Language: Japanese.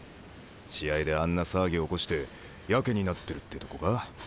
試合であんな騒ぎ起こしてやけになってるってとこか。